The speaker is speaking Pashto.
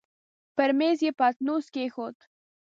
پر مېز يې پتنوس کېښود.